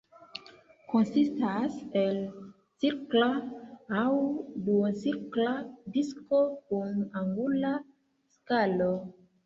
Konsistas el cirkla aŭ duoncirkla disko kun angula skalo.